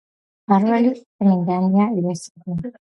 მფარველი წმინდანია წმინდა იოსები.